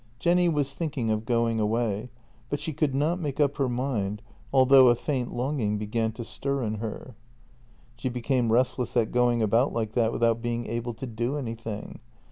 Jenny was thinking of going away, but she could not make up her mind, although a faint longing began to stir in her. She became restless at going about like that without being able to do anything.